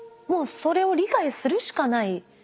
もうそれを理解するしかない。